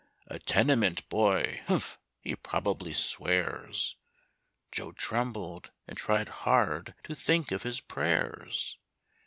"A tenement boy! humph! he probably swears." (Joe trembled, and tried hard to think of his prayers.)